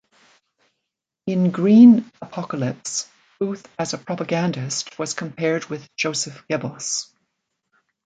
In 'Green Apocalypse', Booth as a propagandist was compared with Joseph Goebbels.